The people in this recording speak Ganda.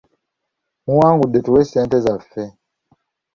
Muwangudde tuwe ssente zaffe.